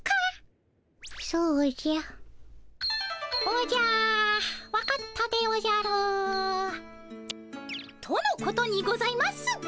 「おじゃわかったでおじゃる」。とのことにございます。